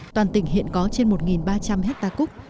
toàn tỉnh hiện có trên một ba trăm linh hectare cúc